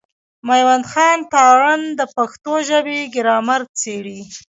مېوند خان تارڼ د پښتو ژبي ګرامر څېړي.